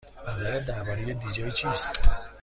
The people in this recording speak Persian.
نظرت درباره دی جی چیست؟